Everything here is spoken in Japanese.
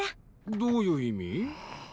どういう意味？